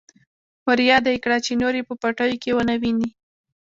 ورياده يې کړه چې نور يې په پټيو کې ونه ويني.